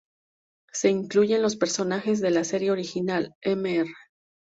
Se incluyen los personajes de la serie original: Mr.